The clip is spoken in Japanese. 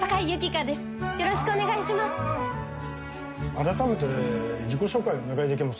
改めて自己紹介をお願いできますか？